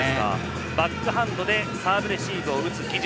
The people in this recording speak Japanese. バックハンドでサーブレシーブを打つ技術